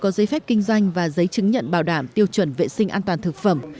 cơ sở chưa có phép kinh doanh và giấy chứng nhận bảo đảm tiêu chuẩn vệ sinh an toàn thực phẩm